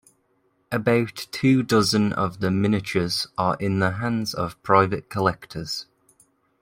About two dozen of the miniatures are in the hands of private collectors.